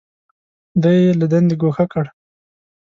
دی یې له دندې ګوښه کړ.